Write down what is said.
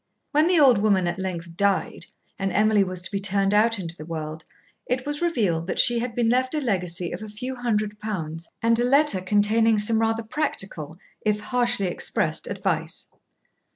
When the old woman at length died, and Emily was to be turned out into the world, it was revealed that she had been left a legacy of a few hundred pounds, and a letter containing some rather practical, if harshly expressed, advice.